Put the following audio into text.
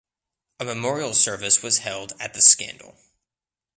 A memorial service was held at the Scandal!